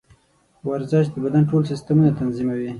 ورزش د بدن ټول سیسټمونه تنظیموي.